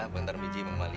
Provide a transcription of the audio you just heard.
nanti minggu kembali